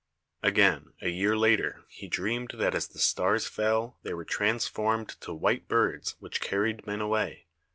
Again a year later he dreamed that as the stars fell they were transformed to white birds which carried men away.